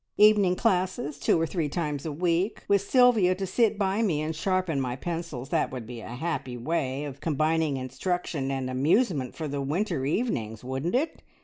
Evening classes two or three times a week, with Sylvia to sit by me and sharpen my pencils that would be a happy way of combining instruction and amusement for the winter evenings, wouldn't it?"